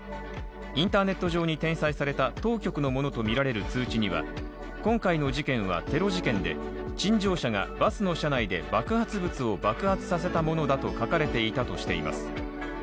インターネット上に転載された当局のものとみられる通知には今回の事件はテロ事件で陳情者がバスの車内で爆発物を爆発させたものだと書かれたとしています。